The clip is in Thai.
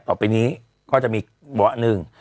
ต่อไปนี้ก็จะมีเบาะหนึ่ง